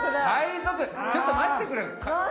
ちょっと待ってくれよ。